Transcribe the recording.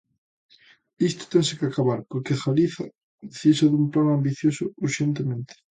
Isto tense que acabar, porque Galiza precisa dun plan ambicioso urxentemente.